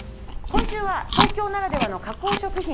今週は東京ならではの加工食品